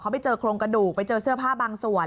ไปเจอโครงกระดูกไปเจอเสื้อผ้าบางส่วน